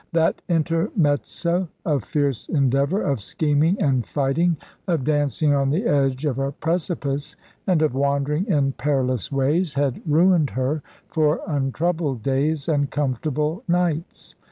That intermezzo of fierce endeavour, of scheming and fighting, of dancing on the edge of a precipice, and of wandering in perilous ways, had ruined her for untroubled days and comfortable nights.